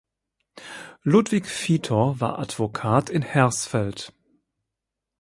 Ludwig Vietor war Advokat in Hersfeld.